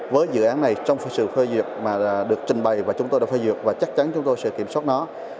với dự án này trong sự phê duyệt mà được trình bày và chúng tôi đã phê duyệt và chắc chắn chúng tôi sẽ kiểm soát nó